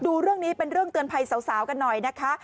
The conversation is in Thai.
ดูเรื่องนี้เป็นเรื่องเตือนภัยสาวกันหน่อยนะคะ